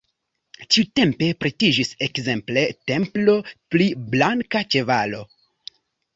Tiutempe pretiĝis ekzemple templo pri Blanka Ĉevalo.